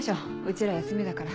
ちら休みだから。